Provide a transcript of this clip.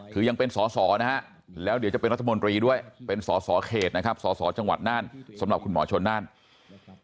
คือยังเป็นสอสอนะฮะแล้วเดี๋ยวจะเป็นรัฐมนตรีด้วยเป็นสอสอเขตนะครับสสจังหวัดน่านสำหรับคุณหมอชนนั่น